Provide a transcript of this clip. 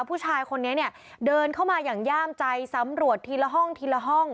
ผู้ชายคนนี้เนี่ยเดินเข้ามาอย่างย่ามใจสำรวจทีละห้องทีละห้อง